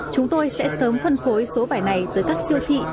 chúng tôi sẽ sớm phân phối số vải này tới các siêu thị